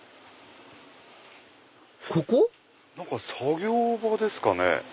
作業場ですかね？